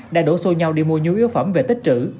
đã đổ xô nhau đi mua nhu yếu phẩm về tích trữ